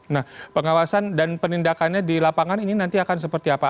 nah pengawasan dan penindakannya di lapangan ini nanti akan seperti apa